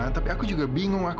sebentar bu ya